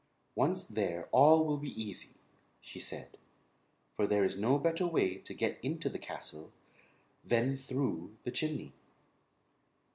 "Once there all will be easy," she said; "for there is no better way to get into the castle than through the chimney."